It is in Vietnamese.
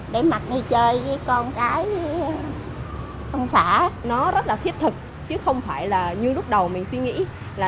để mặc đi chơi với con trai con xã nó rất là thiết thực chứ không phải là như lúc đầu mình suy nghĩ là